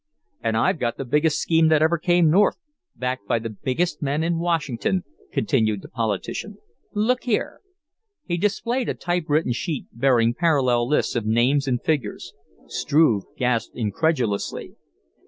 "And I've got the biggest scheme that ever came north, backed by the biggest men in Washington," continued the politician. "Look here!" He displayed a type written sheet bearing parallel lists of names and figures. Struve gasped incredulously.